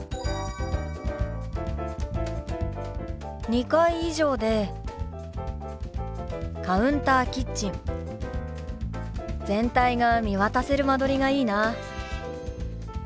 ２階以上でカウンターキッチン全体が見渡せる間取りがいいな。